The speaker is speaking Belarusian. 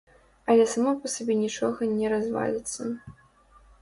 Але само па сабе нічога не разваліцца.